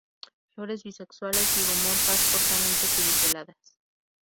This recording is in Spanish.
Flores bisexuales, zigomorfas, cortamente pediceladas.